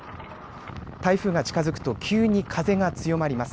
台風が近づくと急に風が強まります。